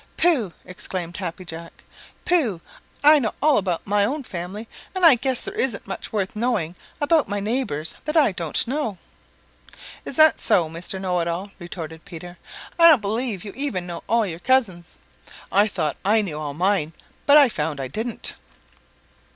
"Pooh!" exclaimed Happy Jack. "Pooh! I know all about my own family, and I guess there isn't much worth knowing about my neighbors that I don't know." "Is that so, Mr. Know it all," retorted Peter. "I don't believe you even know all your own cousins. I thought I knew all mine, but I found I didn't."